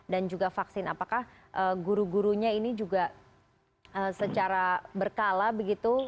dan juga vaksin apakah guru gurunya ini juga secara berkala begitu